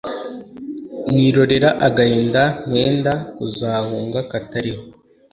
Nirorera agahinda Ntenda kuzahunga Katariho